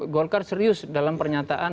golkar serius dalam pernyataan